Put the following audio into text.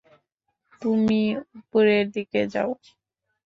তুমি উপরের দিকে যাও।